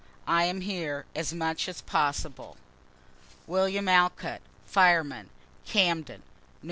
I am here as much as possible. WILLIAM ALCOTT, fireman. _Camden, Nov.